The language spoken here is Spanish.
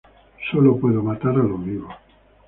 Solo puedo matar a los vivos".